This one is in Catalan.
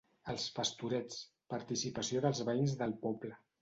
Els pastorets: participació dels veïns del poble.